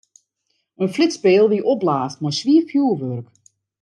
In flitspeal wie opblaasd mei swier fjurwurk.